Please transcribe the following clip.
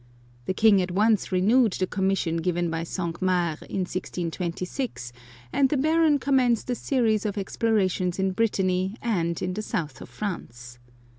The king at once renewed the commission given by Cinq Mars in 1626, and the Baron commenced a series of explorations in Brittany and in the south of France.